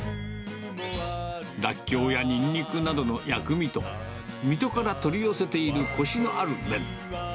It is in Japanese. ラッキョウやニンニクなどの薬味と、水戸から取り寄せているこしのある麺。